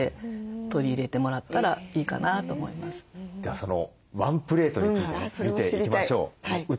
そのワンプレートについて見ていきましょう。